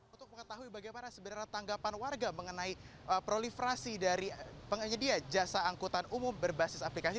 untuk mengetahui bagaimana sebenarnya tanggapan warga mengenai proliferasi dari penyedia jasa angkutan umum berbasis aplikasi